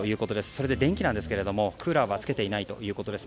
それで電気なんですけれどもクーラーはつけていないということです。